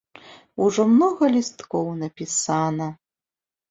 Ужо многа лісткоў напісана.